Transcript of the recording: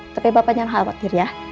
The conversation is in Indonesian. tapi bapak jangan khawatir ya